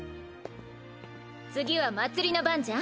次はまつりの番じゃん！